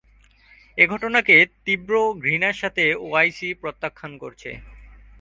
এ ঘটনাকে তীব্র ঘৃণার সাথে ওআইসি প্রত্যাখ্যান করছে।